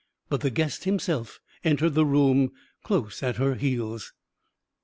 But the guest himself entered the room, close at her heels.